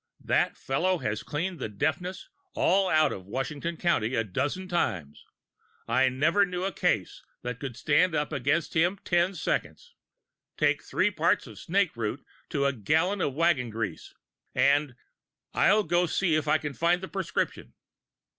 That fellow has cleaned the deafness all out of Washington County a dozen times. I never knew a case of it that could stand up against him ten seconds. Take three parts of snake root to a gallon of waggon grease, and I'll go and see if I can find the prescription!"